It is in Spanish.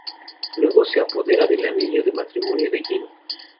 Luego se apodera del anillo de matrimonio de Jin.